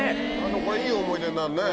これいい思い出になるね。